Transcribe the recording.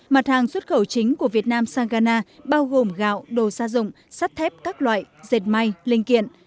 mặt hàng xuất khẩu chính của việt nam sang ghana bao gồm gạo đồ xa dụng sắt thép các loại dệt may linh kiện